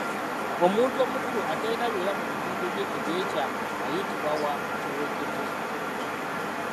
Omuntu omukulu atalina byoya mu bitundu bye eby’ekyama ayitibwa wa kiwekete.